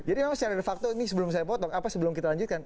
jadi memang secara de facto ini sebelum saya potong apa sebelum kita lanjutkan